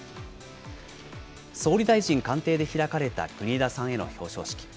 総理大臣官邸で開かれた国枝さんへの表彰式。